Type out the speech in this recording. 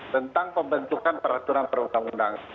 tentang pembentukan peraturan perundang undang